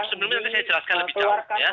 sebelumnya nanti saya jelaskan lebih jauh